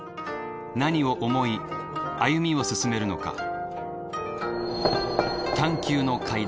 何を思い歩みを進めるのか。